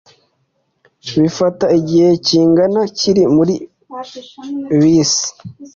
bifata igihe kingana iki muri bisi